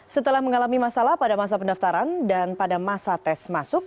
setelah mengalami masalah pada masa pendaftaran dan pada masa tes masuk